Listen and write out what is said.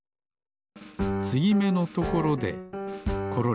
つぎめのところでコロリ。